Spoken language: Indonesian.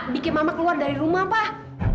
bikin mama keluar dari rumah pak